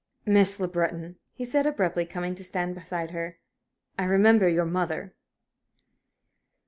"Miss Le Breton," he said, abruptly, coming to stand beside her, "I remember your mother."